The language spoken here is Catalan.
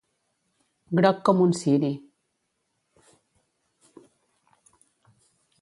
Groc com un ciri.